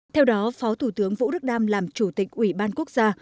theo đó phó thủ tướng vũ đức đam làm chủ tịch ủy ban quốc gia